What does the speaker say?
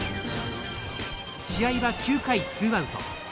試合は９回ツーアウト。